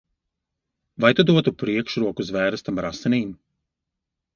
Vai tu dotu priekšroku zvērestam ar asinīm?